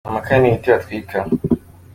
amakara ni ibiti batwika